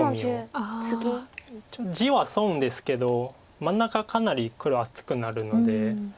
地は損ですけど真ん中かなり黒厚くなるので。